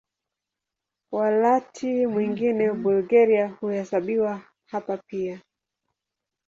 Wakati mwingine Bulgaria huhesabiwa hapa pia.